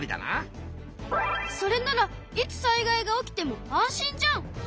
それならいつ災害が起きても安心じゃん！